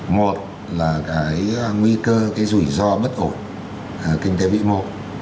một là cái nguy cơ cái rủi ro bất ổn kinh tế bị mộ